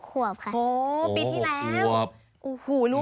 น้ำตาตกโคให้มีโชคเมียรสิเราเคยคบกันเหอะน้ำตาตกโคให้มีโชค